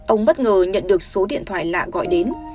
ông bất ngờ nhận được số điện thoại lạ gọi đến